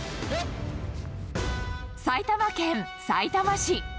埼玉県さいたま市。